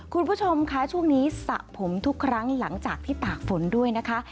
คุณผู้ชมคะช่วงนี้สระผมทุกครั้งหลังจากที่ตากฝนด้วยนะคะ